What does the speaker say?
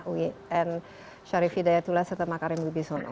dan syarif hidayatullah dan makarim wibisono